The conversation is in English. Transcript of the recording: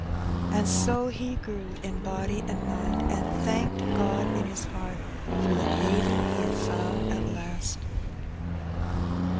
And so he grew in body and mind, and thanked God in his heart for the haven he had found at last.